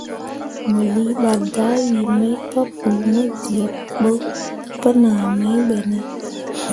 Mo lii ɓal dahwii mai papou mo zyeb ɓo təpənah mai ɓe ne?